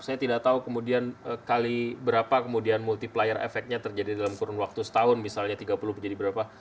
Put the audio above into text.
saya tidak tahu kemudian kali berapa kemudian multiplier efeknya terjadi dalam kurun waktu setahun misalnya tiga puluh menjadi berapa